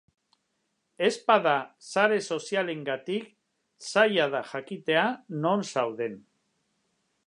Ez bada sare sozialengatik, zaila da jakitea non zauden.